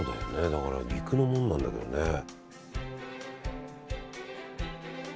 だから陸のもんなんだけどねえ。